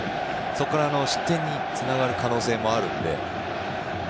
そこから失点につながる可能性もあるので。